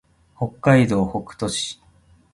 北海道北斗市